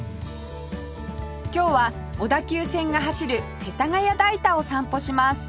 今日は小田急線が走る世田谷代田を散歩します